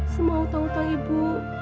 semua hutang hutang ibu